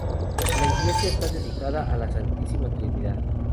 La iglesia está dedicada a La Santísima Trinidad.